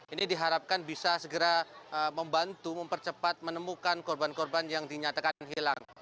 ini diharapkan bisa segera membantu mempercepat menemukan korban korban yang dinyatakan hilang